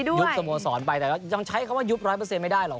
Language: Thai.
สุดท้ายยุบสโมสรไปแต่ต้องใช้คำว่ายุบร้อยเปอร์เซ็นต์ไม่ได้หรอก